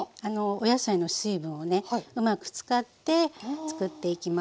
お野菜の水分をうまく使ってつくっていきます。